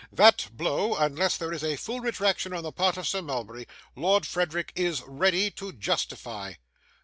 That blow, unless there is a full retraction on the part of Sir Mulberry, Lord Frederick is ready to justify.